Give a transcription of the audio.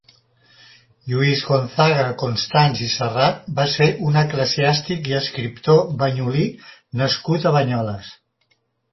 Lluís Gonçaga Constans i Serrat va ser un eclesiàstic i escriptor banyolí nascut a Banyoles.